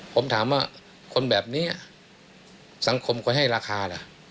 ผมถามว่าคนแบบนี้สังคมควรให้ราคาล่ะ